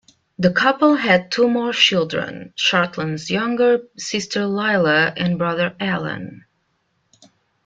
The couple had two more children Charlton's younger sister Lilla and brother Alan.